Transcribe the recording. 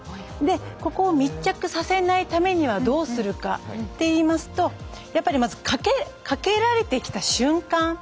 ここを密着させないためにはどうするかって言いますとやっぱりまずかけられてきた瞬間